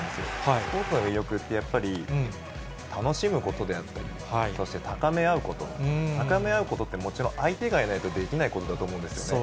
スポーツの魅力って、やっぱり楽しむことであったり、そして高め合うこと、高め合うことって、もちろん相手がいないとできないことだと思うんですよね。